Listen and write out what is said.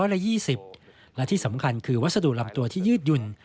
และที่สำคัญคือวัสดุลำตัวที่ยืดหยุ่น